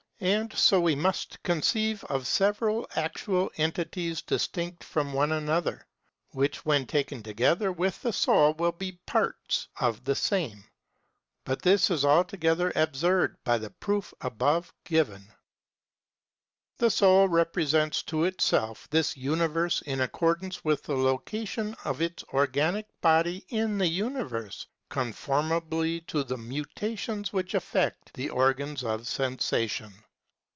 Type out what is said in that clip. * And so we must conceive of several actual entities distinct from one another (§ 142, 183, OntoL), which when taken together with the soul will be the parts of the same (§ 341 , OntoL). But this is altogether absurd by the proof above given. § 62. The soul re presents to itself this universe in accordance with the location of its organic body in the universe, conformably to the mutations which affect the organs of sensation.